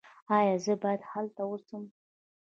ایا زه باید هلته اوسم؟